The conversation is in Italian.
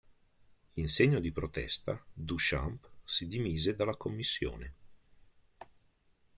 In segno di protesta, Duchamp si dimise dalla commissione.